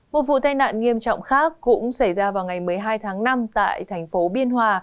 một vụ tai nạn nghiêm trọng khác cũng xảy ra vào ngày một mươi hai tháng năm tại thành phố biên hòa